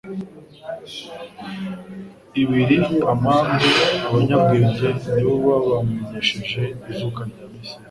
Ibiri amambu abanyabwenge ni bo babamenyesheje ivuka rya Mesiya